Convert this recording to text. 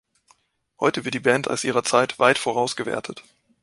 Heute wird die Band als ihrer Zeit weit voraus gewertet.